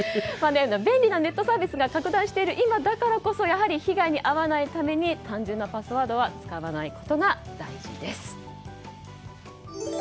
便利なネットサービスが拡大している今だからこそやはり被害に遭わないために単純なパスワードは使わないことが大事です。